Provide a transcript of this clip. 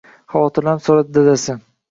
Xavotirlanib so‘radi dadasi